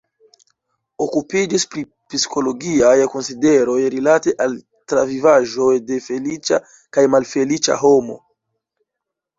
Okupiĝis pri psikologiaj konsideroj rilate al travivaĵoj de feliĉa kaj malfeliĉa homo.